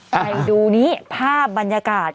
ไปดูนี้ภาพบรรยากาศ